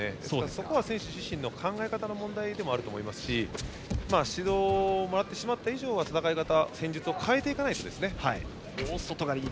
そこは選手自身の考え方の問題でもあると思いますし指導をもらってしまった以上は戦い方、戦術を変えていかないとですね。